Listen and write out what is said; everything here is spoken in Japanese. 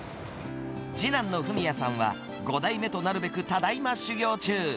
次男のふみやさんは、５代目となるべく、ただいま修業中。